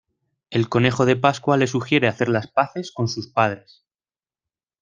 El Conejo de Pascua le sugiere hacer las paces con sus padres.